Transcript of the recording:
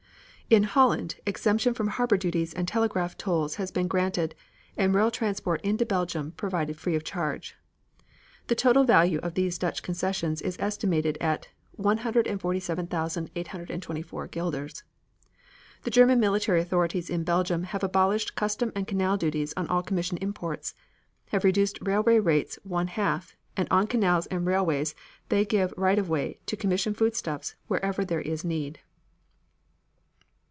In Holland, exemption from harbor dues and telegraph tolls has been granted and rail transport into Belgium provided free of charge. The total value of these Dutch concessions is estimated at 147,824 guilders. The German military authorities in Belgium have abolished custom and canal dues on all commission imports, have reduced railway rates one half and on canals and railways they give right of way to commission foodstuffs wherever there is need.